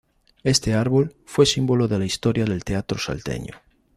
Este árbol, fue símbolo de la historia del Teatro Salteño.